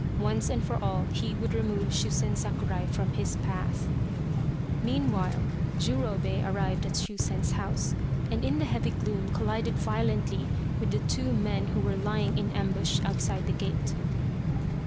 Once and for all he would remove Shusen Sakurai from his path. Meanwhile Jurobei arrived at Shusen's house, and in the heavy gloom collided violently with the two men who were lying in ambush outside the gate.